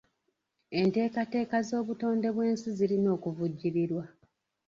Enteekateeka z'obutonde bw'ensi zirina okuvujjirirwa.